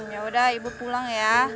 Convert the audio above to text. ya udah ibu pulang ya